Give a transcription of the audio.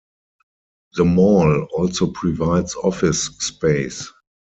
The mall also provides office space.